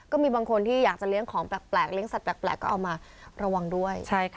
ก็มีบางคนที่อยากจะเลี้ยงของแปลกเลี้ยสัตวแปลกก็เอามาระวังด้วย